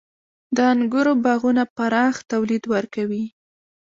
• د انګورو باغونه پراخ تولید ورکوي.